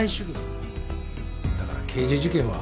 だから刑事事件は。